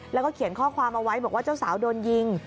แล้วก็เขียนข้อความเอาไว้บอกว่าเจ้าสาวโดนยิง